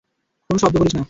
কোনো শব্দ করিস না।